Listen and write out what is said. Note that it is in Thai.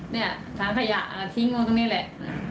ถ้าถานขยะทิ้งพรุ่งตรงนี้แหละ